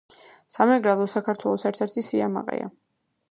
სამეგრელო საქართველოს ერთ-ერთი სიამაყეა.